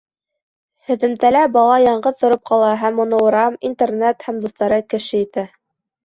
Һөҙөмтәлә бала яңғыҙ тороп ҡала һәм уны урам, Интернет һәм дуҫтары «кеше итә».